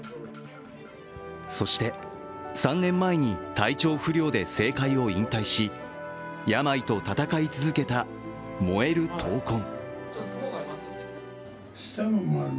そして、３年前に体調不良で政界を引退し、病と闘い続けた燃える闘魂。